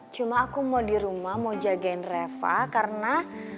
cuma aku mau di rumah mau jagain reva karena